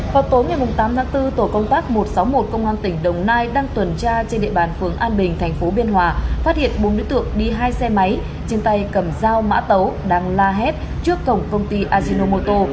vào tối ngày tám tháng bốn tổ công tác một trăm sáu mươi một công an tỉnh đồng nai đang tuần tra trên địa bàn phường an bình tp biên hòa phát hiện bốn đối tượng đi hai xe máy trên tay cầm dao mã tấu đang la hét trước cổng công ty ajinomoto